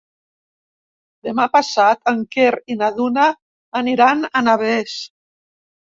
Demà passat en Quer i na Duna aniran a Navès.